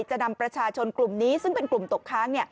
จะนำประชาชนกลุ่มนี้ซึ่งเป็นกลุ่มตกค้าง